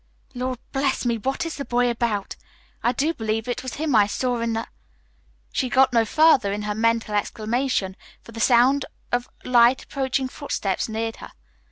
"Lord bless me, what is the boy about! I do believe it was him I saw in the " She got no further in her mental exclamation for the sound of light approaching footsteps neared her.